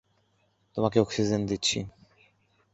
তোমাকে অক্সিজেন দিচ্ছি।